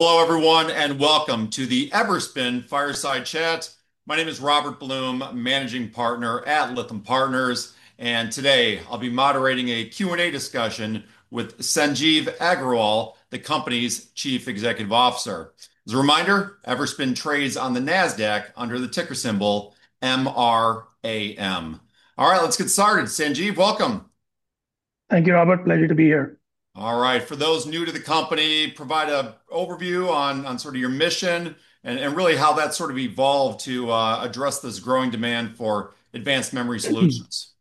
Hello everyone, and welcome to the Everspin Fireside Chats. My name is Robert Blum, Managing Partner at Lytham Partners, and today I'll be moderating a Q&A discussion with Sanjeev Aggarwal, the company's Chief Executive Officer. As a reminder, Everspin trades on the NASDAQ under the ticker symbol MRAM. All right, let's get started. Sanjeev, welcome. Thank you, Robert. Pleasure to be here. All right. For those new to the company, provide an overview on sort of your mission and really how that sort of evolved to address this growing demand for advanced memory solutions.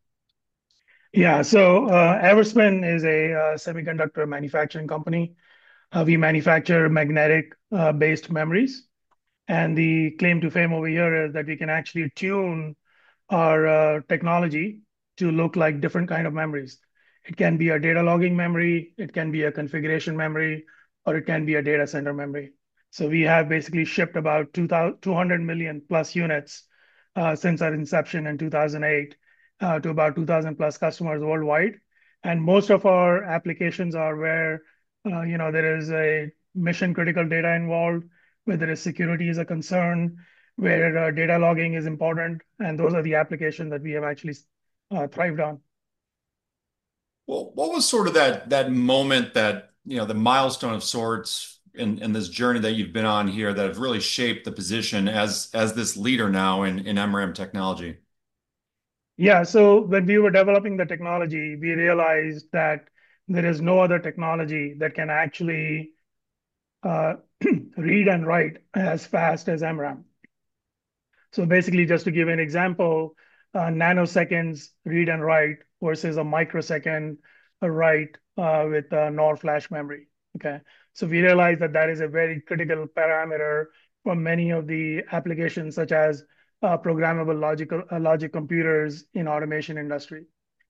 Yeah, Everspin is a semiconductor manufacturing company. We manufacture magnetic-based memories. The claim to fame over here is that we can actually tune our technology to look like different kinds of memories. It can be a data logging memory, it can be a configuration memory, or it can be a data center memory. We have basically shipped about 200 million plus units since our inception in 2008 to about 2,000+ customers worldwide. Most of our applications are where there is mission-critical data involved, where security is a concern, where data logging is important, and those are the applications that we have actually thrived on. What was that moment, you know, the milestone of sorts in this journey that you've been on here that have really shaped the position as this leader now in MRAM technology? Yeah, so when we were developing the technology, we realized that there is no other technology that can actually read and write as fast as MRAM. Basically, just to give you an example, nanoseconds read and write versus a microsecond write with a NOR flash memory. We realized that that is a very critical parameter for many of the applications such as programmable logic computers in the automation industry.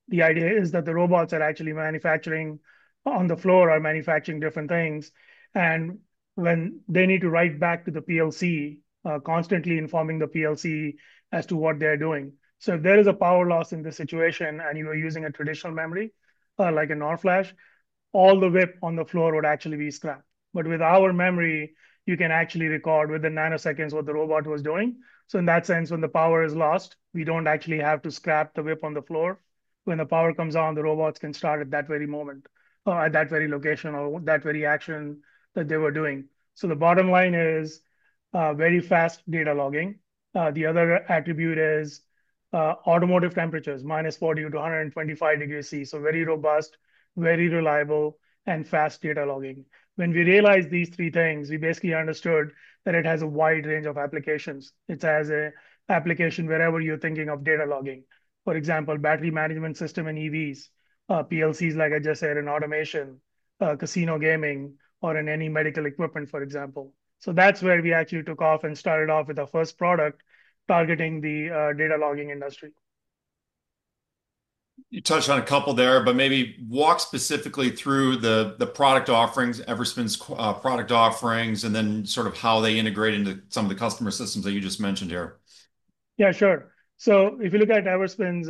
The idea is that the robots are actually manufacturing on the floor or manufacturing different things, and when they need to write back to the PLC, constantly informing the PLC as to what they're doing. If there is a power loss in this situation and you are using a traditional memory, like a NOR flash, all the WIP on the floor would actually be scrapped. With our memory, you can actually record within nanoseconds what the robot was doing. In that sense, when the power is lost, we don't actually have to scrap the WIP on the floor. When the power comes on, the robots can start at that very moment, at that very location, or that very action that they were doing. The bottom line is very fast data logging. The other attribute is automotive temperatures, -40 to 125 degrees C. Very robust, very reliable, and fast data logging. When we realized these three things, we basically understood that it has a wide range of applications. It has an application wherever you're thinking of data logging. For example, battery management systems in EVs, PLCs, like I just said, in automation, casino gaming, or in any medical equipment, for example. That's where we actually took off and started off with our first product targeting the data logging industry. You touched on a couple there, but maybe walk specifically through the product offerings, Everspin's product offerings, and then sort of how they integrate into some of the customer systems that you just mentioned here. Yeah, sure. If you look at Everspin's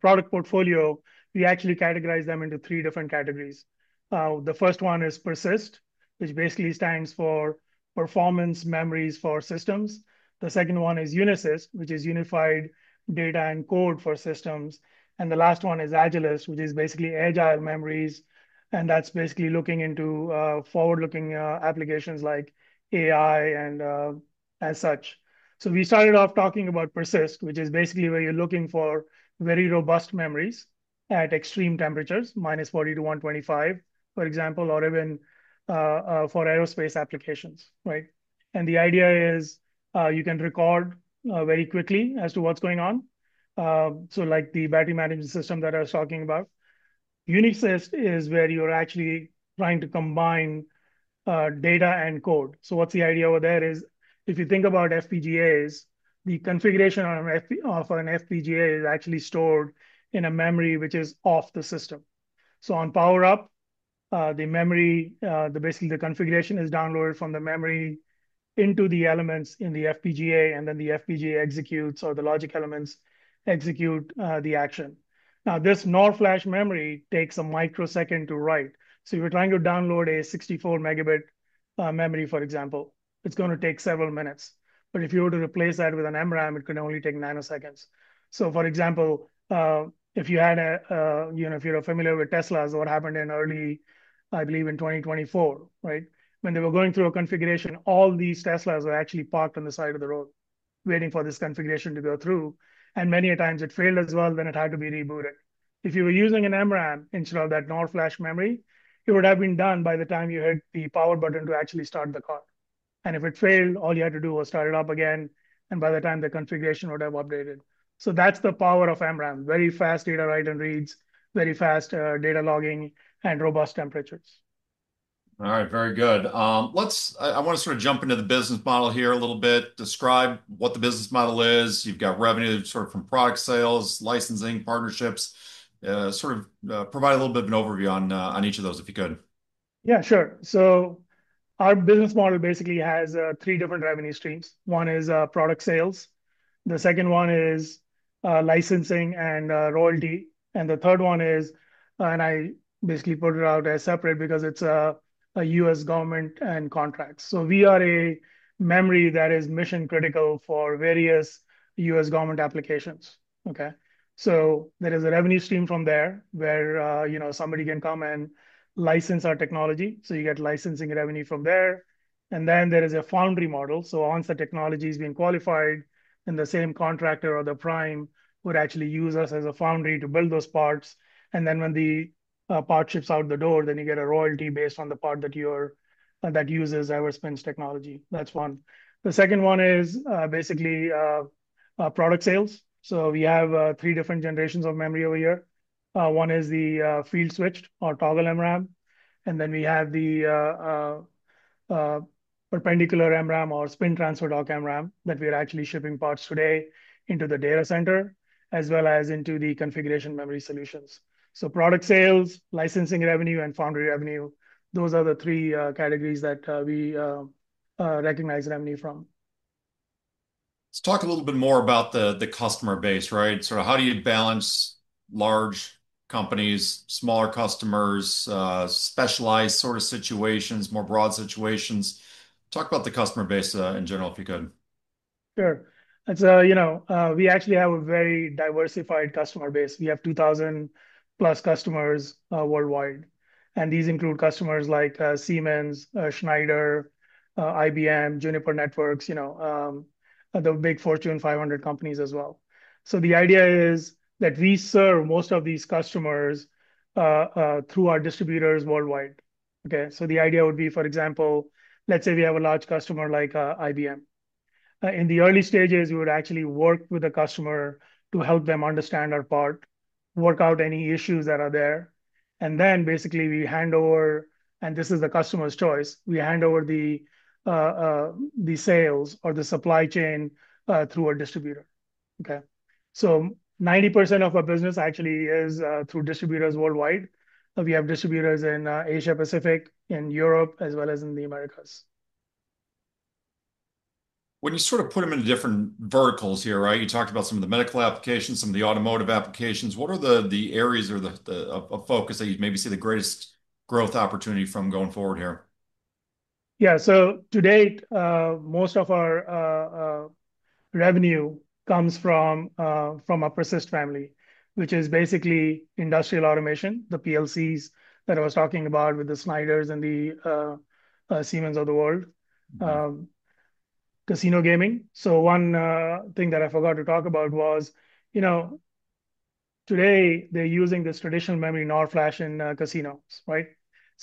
product portfolio, we actually categorize them into three different categories. The first one is PERSYST, which basically stands for performance memories for systems. The second one is UNISYST, which is unified data and code for systems. The last one is AgILYST, which is basically agile memories. That's basically looking into forward-looking applications like AI and as such. We started off talking about PERSYST, which is basically where you're looking for very robust memories at extreme temperatures, -40 to 125, for example, or even for aerospace applications. The idea is you can record very quickly as to what's going on, like the battery management system that I was talking about. UNISYST is where you're actually trying to combine data and code. The idea over there is if you think about FPGAs, the configuration of an FPGA is actually stored in a memory which is off the system. On power-up, the configuration is downloaded from the memory into the elements in the FPGA, and then the FPGA executes, or the logic elements execute the action. Now, this NOR flash memory takes a microsecond to write. If you're trying to download a 64-Mb memory, for example, it's going to take several minutes. If you were to replace that with an MRAM, it could only take nanoseconds. For example, if you're familiar with Teslas, what happened in early, I believe in 2024, when they were going through a configuration, all these Teslas were actually parked on the side of the road waiting for this configuration to go through. Many times it failed as well, then it had to be rebooted. If you were using an MRAM instead of that NOR flash memory, it would have been done by the time you hit the power button to actually start the car. If it failed, all you had to do was start it up again, and by that time the configuration would have updated. That's the power of MRAM: very fast data write and read, very fast data logging, and robust temperatures. All right, very good. I want to sort of jump into the business model here a little bit. Describe what the business model is. You've got revenue from product sales, licensing, partnerships. Provide a little bit of an overview on each of those if you could. Yeah, sure. Our business model basically has three different revenue streams. One is product sales. The second one is licensing and royalty. The third one is, and I basically put it out as separate because it's a U.S. government contract. We are a memory that is mission-critical for various U.S. government applications. There is a revenue stream from there where somebody can come and license our technology, so you get licensing revenue from there. There is a foundry model. Once the technology is being qualified, then the same contractor or the prime would actually use us as a foundry to build those parts. When the part ships out the door, you get a royalty based on the part that uses Everspin's technology. That's one. The second one is basically product sales. We have three different generations of memory over here. One is the field switch or Toggle MRAM. Then we have the perpendicular MRAM or spin transfer torque MRAM that we are actually shipping parts today into the data center, as well as into the configuration memory solutions. Product sales, licensing revenue, and foundry revenue, those are the three categories that we recognize revenue from. Let's talk a little bit more about the customer base, right? How do you balance large companies, smaller customers, specialized sort of situations, more broad situations? Talk about the customer base in general if you could. Sure. We actually have a very diversified customer base. We have 2,000+ customers worldwide. These include customers like Siemens, Schneider, IBM, Juniper Networks, the big Fortune 500 companies as well. The idea is that we serve most of these customers through our distributors worldwide. The idea would be, for example, let's say we have a large customer like IBM. In the early stages, you would actually work with the customer to help them understand our part, work out any issues that are there. Then basically we hand over, and this is the customer's choice, we hand over the sales or the supply chain through a distributor. 90% of our business actually is through distributors worldwide. We have distributors in Asia-Pacific, in Europe, as well as in the Americas. When you sort of put them into different verticals here, right, you talked about some of the medical applications, some of the automotive applications. What are the areas or the focus that you maybe see the greatest growth opportunity from going forward here? Yeah, so to date, most of our revenue comes from our PERSYST family, which is basically industrial automation, the PLCs that I was talking about with the Schneiders and the Siemens of the world, casino gaming. One thing that I forgot to talk about was, you know, today they're using this traditional memory NOR flash in casinos, right?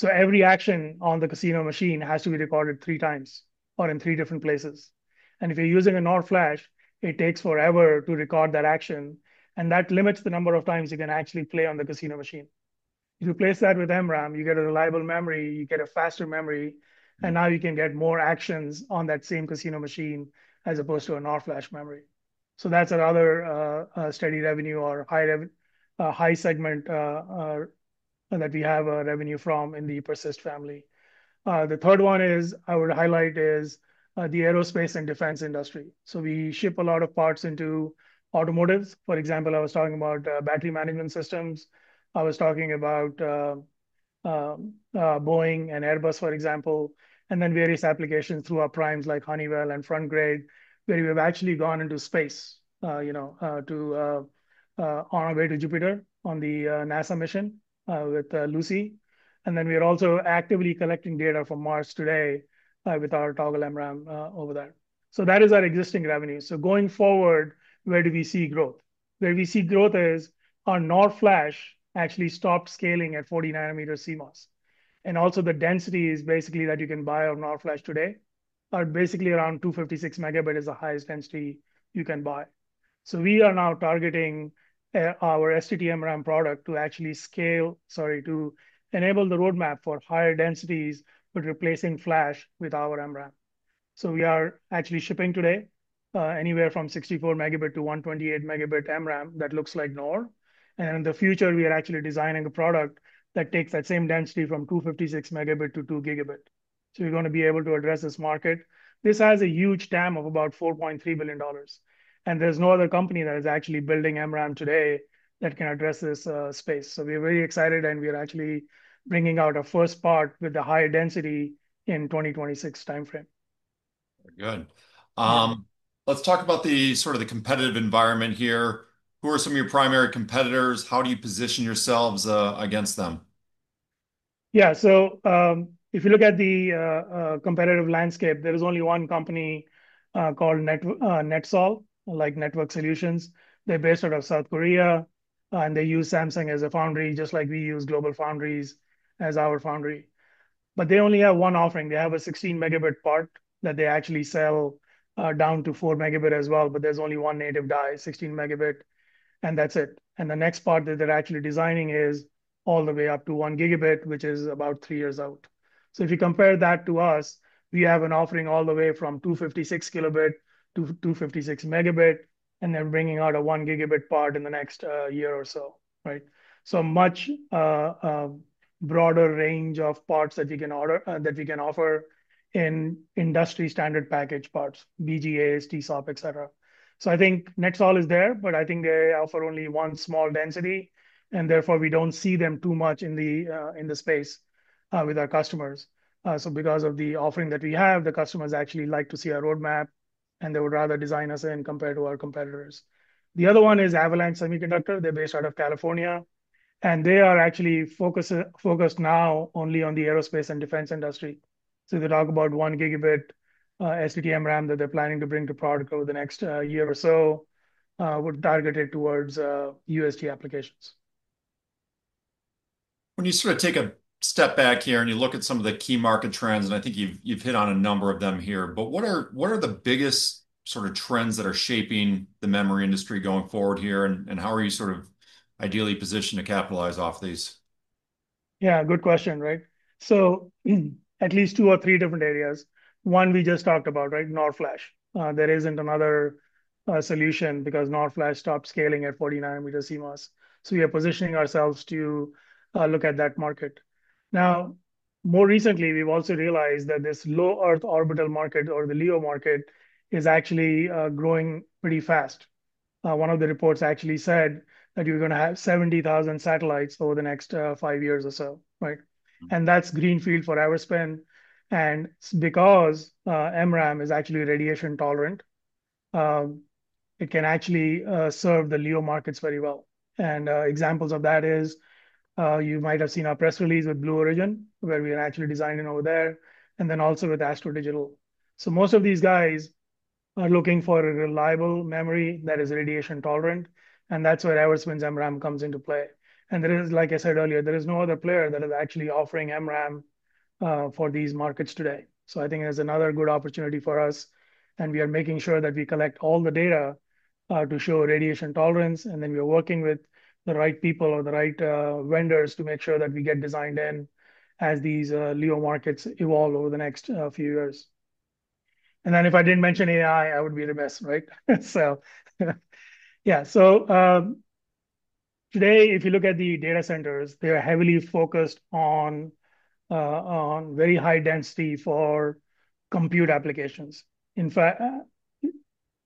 Every action on the casino machine has to be recorded three times or in three different places. If you're using a NOR flash, it takes forever to record that action. That limits the number of times you can actually play on the casino machine. If you replace that with MRAM, you get a reliable memory, you get a faster memory, and now you can get more actions on that same casino machine as opposed to a NOR flash memory. That's another steady revenue or high segment that we have revenue from in the PERSYST family. The third one I would highlight is the aerospace and defense industry. We ship a lot of parts into automotives. For example, I was talking about battery management systems. I was talking about Boeing and Airbus, for example, and then various applications through our primes like Honeywell and Frontgrade Technologies, where we've actually gone into space, you know, on our way to Jupiter on the NASA mission with Lucy. We are also actively collecting data from Mars today with our Toggle MRAM over there. That is our existing revenue. Going forward, where do we see growth? Where we see growth is our NOR flash actually stopped scaling at 40 nm CMOS. Also, the densities basically that you can buy of NOR flash today are basically around 256 Mb as the highest density you can buy. We are now targeting our STT-MRAM product to actually scale, sorry, to enable the roadmap for higher densities but replacing flash with our MRAM. We are actually shipping today anywhere from 64 Mb-128 Mb MRAM that looks like NOR. In the future, we are actually designing a product that takes that same density from 256 Mb-2 Gb. We're going to be able to address this market. This has a huge total addressable market of about $4.3 billion. There's no other company that is actually building MRAM today that can address this space. We're very excited and we're actually bringing out our first part with the higher density in the 2026 timeframe. Good. Let's talk about the sort of the competitive environment here. Who are some of your primary competitors? How do you position yourselves against them? Yeah, so if you look at the competitive landscape, there is only one company called NetSol, like Network Solutions. They're based out of South Korea, and they use Samsung as a foundry, just like we use GlobalFoundries as our foundry. They only have one offering. They have a 16 Mb part that they actually sell down to 4 Mb as well, but there's only one native die, 16 Mb, and that's it. The next part that they're actually designing is all the way up to 1 Gb, which is about three years out. If you compare that to us, we have an offering all the way from 256 Kb-256 Mb, and they're bringing out a 1 Gb part in the next year or so. Right. A much broader range of parts that you can offer in industry standard packaged parts, BGA, TSOP, etc. I think NetSol is there, but I think they offer only one small density, and therefore we don't see them too much in the space with our customers. Because of the offering that we have, the customers actually like to see a roadmap, and they would rather design us in compared to our competitors. The other one is Avalanche Semiconductor. They're based out of California, and they are actually focused now only on the aerospace and defense industry. They talk about 1 Gb STT-MRAM that they're planning to bring to product over the next year or so, would target it towards U.S. government applications. When you sort of take a step back here and you look at some of the key market trends, I think you've hit on a number of them here, but what are the biggest sort of trends that are shaping the memory industry going forward here, and how are you sort of ideally positioned to capitalize off these? Yeah, good question, right? At least two or three different areas. One we just talked about, right? NOR flash. There isn't another solution because NOR flash stopped scaling at 40 nm CMOS. We are positioning ourselves to look at that market. More recently, we've also realized that this low Earth orbit market, or the LEO market, is actually growing pretty fast. One of the reports actually said that you're going to have 70,000 satellites over the next five years or so. That's greenfield for Everspin. Because MRAM is actually radiation tolerant, it can actually serve the LEO markets very well. Examples of that are you might have seen our press release with Blue Origin, where we are actually designing over there, and then also with Astro Digital. Most of these guys are looking for a reliable memory that is radiation tolerant, and that's where Everspin's MRAM comes into play. Like I said earlier, there is no other player that is actually offering MRAM for these markets today. I think it is another good opportunity for us, and we are making sure that we collect all the data to show radiation tolerance, and we are working with the right people or the right vendors to make sure that we get designed in as these LEO markets evolve over the next few years. If I didn't mention AI, I would be remiss, right? Today, if you look at the data centers, they are heavily focused on very high density for compute applications. In fact,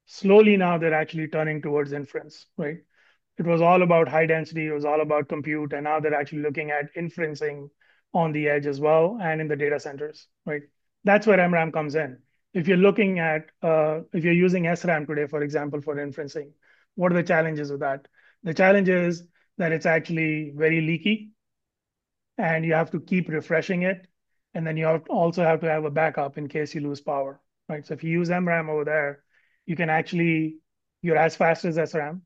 slowly now they're actually turning towards inference. It was all about high density, it was all about compute, and now they're actually looking at inferencing on the edge as well and in the data centers. That's where MRAM comes in. If you're looking at, if you're using SRAM today, for example, for inferencing, what are the challenges of that? The challenge is that it's actually very leaky, and you have to keep refreshing it, and then you also have to have a backup in case you lose power. If you use MRAM over there, you can actually, you're as fast as SRAM,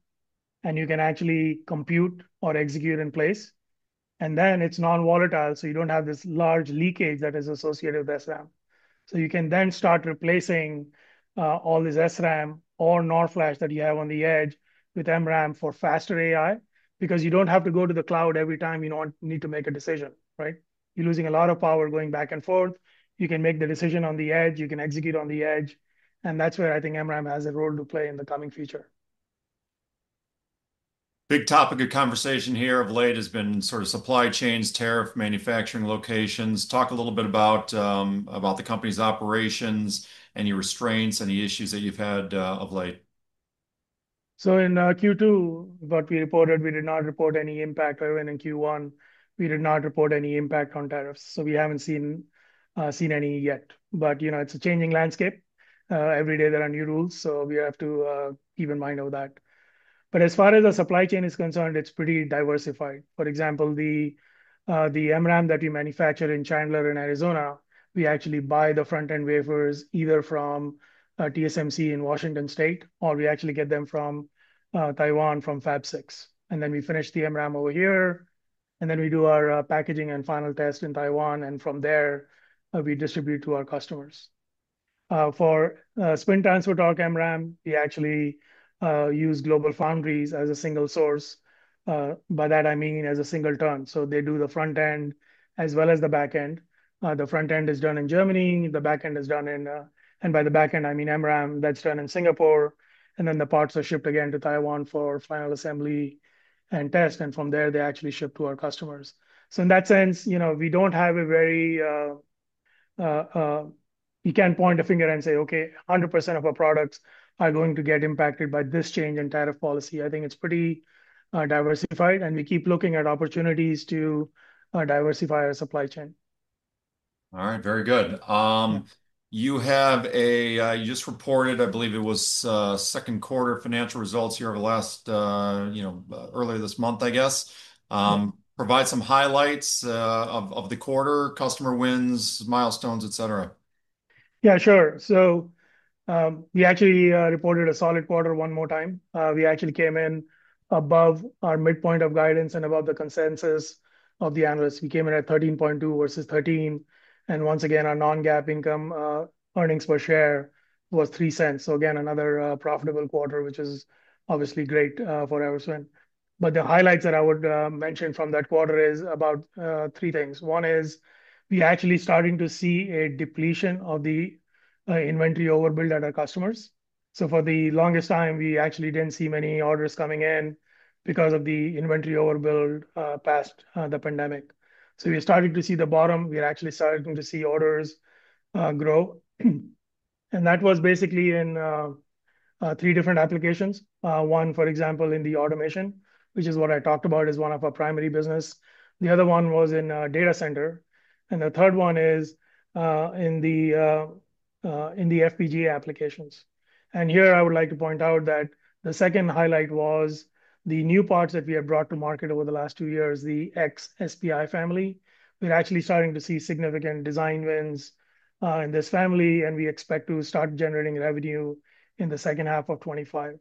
and you can actually compute or execute in place, and then it's non-volatile, so you don't have this large leakage that is associated with SRAM. You can then start replacing all this SRAM or NOR flash that you have on the edge with MRAM for faster AI because you don't have to go to the cloud every time you need to make a decision. You're losing a lot of power going back and forth. You can make the decision on the edge. You can execute on the edge. That's where I think MRAM has a role to play in the coming future. Big topic of conversation here of late has been sort of supply chains, tariff, manufacturing locations. Talk a little bit about the company's operations, any restraints, any issues that you've had of late. In Q2, what we reported, we did not report any impact, or even in Q1, we did not report any impact on tariffs. We haven't seen any yet. It's a changing landscape. Every day there are new rules, so we have to keep in mind of that. As far as the supply chain is concerned, it's pretty diversified. For example, the MRAM that we manufacture in Chandler, Arizona, we actually buy the front-end wafers either from TSMC in Washington State, or we actually get them from Taiwan from Fab 6. We finish the MRAM over here, and then we do our packaging and final test in Taiwan, and from there, we distribute to our customers. For spin transfer torque MRAM, we actually use GlobalFoundries as a single source. By that, I mean as a single turn. They do the front end as well as the back end. The front end is done in Germany, the back end is done in, and by the back end, I mean MRAM that's done in Singapore, and then the parts are shipped again to Taiwan for final assembly and test, and from there they actually ship to our customers. In that sense, you can't point a finger and say, okay, 100% of our products are going to get impacted by this change in tariff policy. I think it's pretty diversified, and we keep looking at opportunities to diversify our supply chain. All right, very good. You just reported, I believe it was Second Quarter Financial Results here over the last, you know, earlier this month, I guess. Provide some highlights of the quarter, customer wins, milestones, etc. Yeah, sure. We actually reported a solid quarter one more time. We actually came in above our midpoint of guidance and above the consensus of the analysts. We came in at $13.2 million versus $13 million, and once again, our non-GAAP income earnings per share was $0.03. Again, another profitable quarter, which is obviously great for Everspin. The highlights that I would mention from that quarter are about three things. One is we are actually starting to see a depletion of the inventory overbuild at our customers. For the longest time, we actually didn't see many orders coming in because of the inventory overbuild past the pandemic. We started to see the bottom. We are actually starting to see orders grow. That was basically in three different applications. One, for example, in the automation, which is what I talked about, is one of our primary business. The other one was in a data center. The third one is in the FPGA applications. Here I would like to point out that the second highlight was the new parts that we have brought to market over the last two years, the XSPI family. We're actually starting to see significant design wins in this family, and we expect to start generating revenue in the second half of 2025.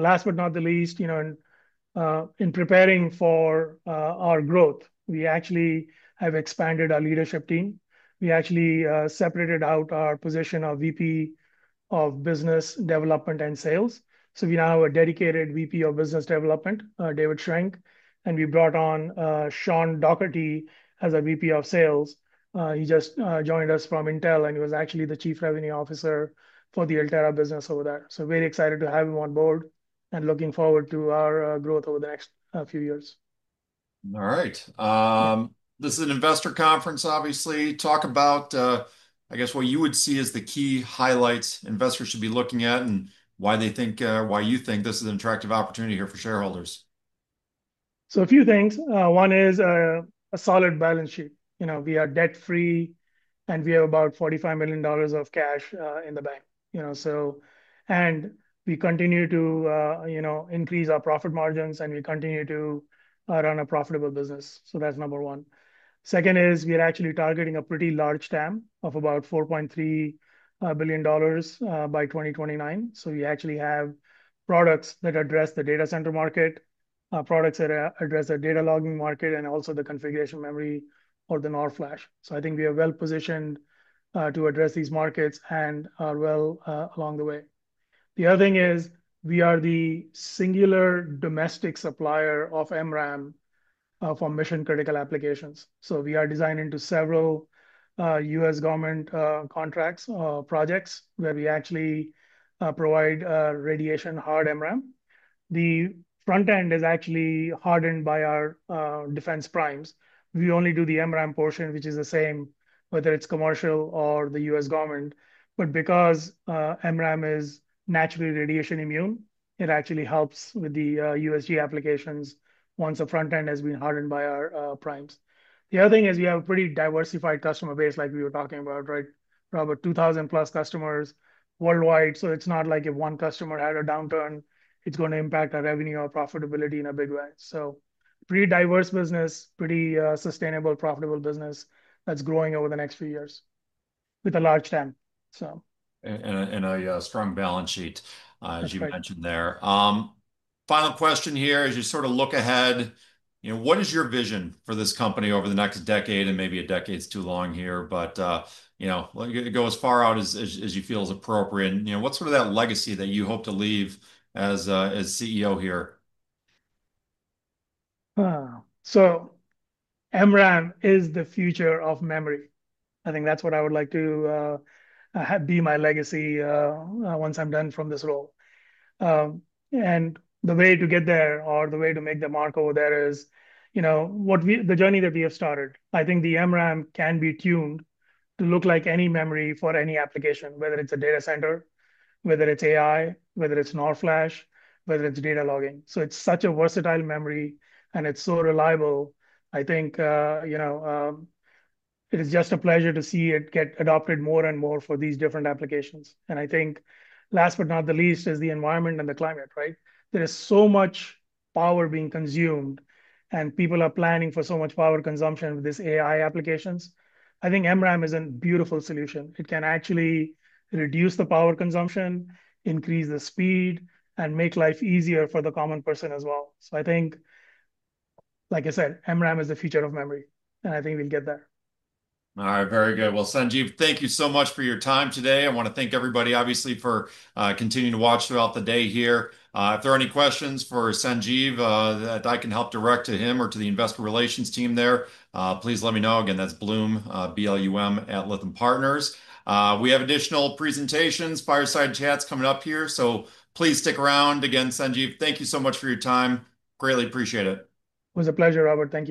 Last but not the least, in preparing for our growth, we actually have expanded our leadership team. We actually separated out our position of VP of Business Development and Sales. We now have a dedicated VP of Business Development, David Schrenk, and we brought on Sean Dougherty as a VP of Sales. He just joined us from Intel, and he was actually the Chief Revenue Officer for the Altera business over there. Very excited to have him on board and looking forward to our growth over the next few years. All right. This is an Investor Conference, obviously. Talk about what you would see as the key highlights investors should be looking at and why you think this is an attractive opportunity here for shareholders. A few things. One is a solid balance sheet. We are debt-free, and we have about $45 million of cash in the bank. We continue to increase our profit margins, and we continue to run a profitable business. That's number one. Second is we are actually targeting a pretty large TAM of about $4.3 billion by 2029. We actually have products that address the data center market, products that address the data logging market, and also the configuration memory or the NOR flash. I think we are well positioned to address these markets and are well along the way. The other thing is we are the singular domestic supplier of MRAM for mission-critical applications. We are designed into several U.S. government contracts or projects where we actually provide radiation-hard MRAM. The front end is actually hardened by our defense primes. We only do the MRAM portion, which is the same, whether it's commercial or the U.S. government. Because MRAM is naturally radiation immune, it actually helps with the U.S. government applications once the front end has been hardened by our primes. The other thing is we have a pretty diversified customer base, like we were talking about, right, Robert, 2,000 plus customers worldwide. It's not like if one customer had a downturn, it's going to impact our revenue or profitability in a big way. Pretty diverse business, pretty sustainable, profitable business that's growing over the next few years with a large TAM. A strong balance sheet, as you mentioned there. Final question here, as you sort of look ahead, what is your vision for this company over the next decade? Maybe a decade's too long here, but you're going to go as far out as you feel is appropriate. What's sort of that legacy that you hope to leave as CEO here? MRAM is the future of memory. I think that's what I would like to be my legacy once I'm done from this role. The way to get there, or the way to make the mark over there is the journey that we have started. I think the MRAM can be tuned to look like any memory for any application, whether it's a data center, whether it's AI, whether it's NOR flash, whether it's data logging. It's such a versatile memory, and it's so reliable. I think it is just a pleasure to see it get adopted more and more for these different applications. Last but not the least is the environment and the climate, right? There is so much power being consumed, and people are planning for so much power consumption with these AI applications. I think MRAM is a beautiful solution. It can actually reduce the power consumption, increase the speed, and make life easier for the common person as well. Like I said, MRAM is the future of memory, and I think we'll get there. All right, very good. Sanjeev, thank you so much for your time today. I want to thank everybody, obviously, for continuing to watch throughout the day here. If there are any questions for Sanjeev that I can help direct to him or to the investor relations team there, please let me know. Again, that's Blum, B-L-U-M, at Lytham Partners. We have additional presentations and fireside chats coming up here, so please stick around. Again, Sanjeev, thank you so much for your time. Greatly appreciate it. It was a pleasure, Robert. Thanks.